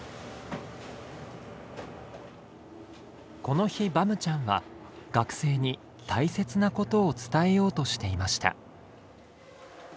この日バムちゃんは学生に大切なことを伝えようとしていました。